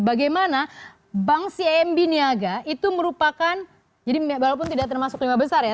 bagaimana bank cmb niaga itu merupakan jadi walaupun tidak termasuk lima besar ya